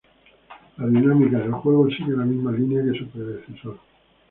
La dinámica del juego sigue la misma línea que su predecesor.